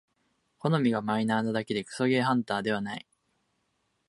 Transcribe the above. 好みがマイナーなだけでクソゲーハンターではない